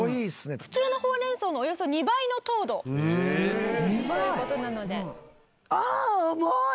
普通のほうれん草のおよそ２倍の糖度という事なので。